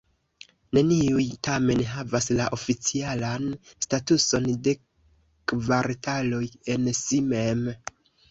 Neniuj tamen havas la oficialan statuson de kvartaloj en si mem.